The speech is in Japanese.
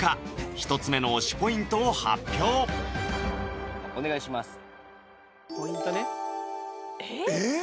１つ目の推しポイントを発表お願いしますえっ？